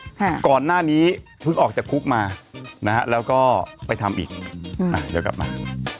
ก่อนหน้านี้เพิ่งออกจากคุกมานะฮะแล้วก็ไปทำอีกอ่าเดี๋ยวกลับมา